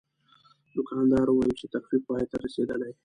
دوکاندار وویل چې تخفیف پای ته رسیدلی.